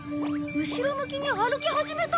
後ろ向きに歩き始めた。